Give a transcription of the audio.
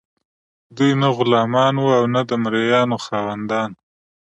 دوی نه غلامان وو او نه د مرئیانو خاوندان.